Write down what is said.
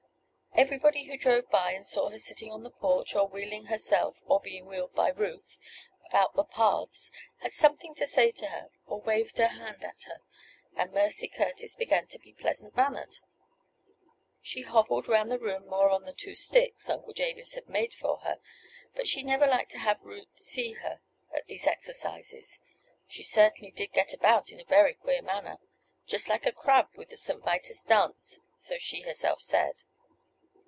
Everybody who drove by and saw her sitting on the porch, or wheeling herself, or being wheeled by Ruth, about the paths, had something to say to her, or waved a hand at her, and Mercy Curtis began to be pleasant mannered. She hobbled around her room more on the "two sticks" Uncle Jabez had made for her; but she never liked to have even Ruth see her at these exercises. She certainly did get about in a very queer manner "just like a crab with the St. Vitus dance," so she herself said.